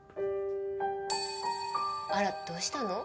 あらどうしたの？